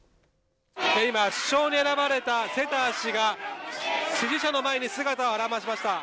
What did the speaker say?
今、首相に選ばれたセター氏が支持者の前に姿を現しました。